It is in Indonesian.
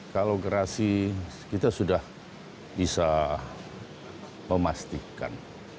kalau gerasi kita sudah bisa memastikan